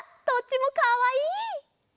どっちもかわいい！